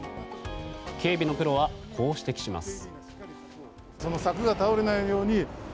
警備のプロはこう指摘します。